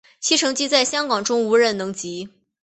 其成绩在香港中无人能及。